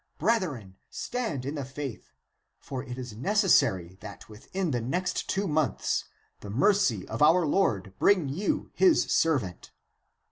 Brethren, stand in the faith ; for it is necessary that within the next two months the mercy of our Lord bring you his servant.